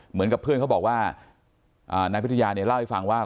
เหมือนกับเพื่อนเขาบอกว่านายพิทยาเนี่ยเล่าให้ฟังว่า